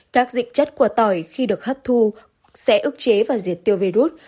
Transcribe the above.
các dịch chất của tỏi khi được hấp thu sẽ ức chế và diệt tiêu virus